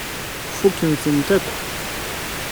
Fukken-tent akk.